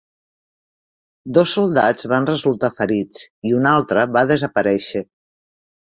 Dos soldats van resultar ferits i un altre va desaparèixer.